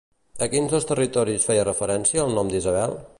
A quins dos territoris feia referència el nom d'Isabel?